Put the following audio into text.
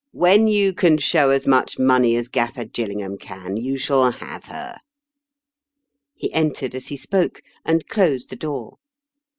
" When you can show as much money as GaflFer Gillingham can, you shall have her." He entered as he spoke, and closed the door.